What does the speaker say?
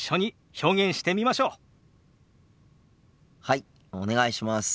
はいお願いします。